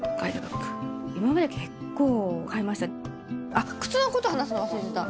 あっ靴のこと話すの忘れてた。